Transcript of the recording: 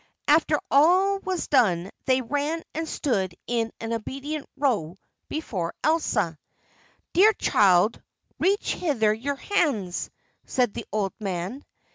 After all was done they ran and stood in an obedient row before Elsa. "Dear child, reach hither your hands," said the old man.